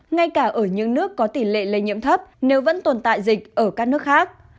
ngay cả ở những nước có tỷ lệ lây nhiễm thấp nếu vẫn tồn tại dịch ở các nước khác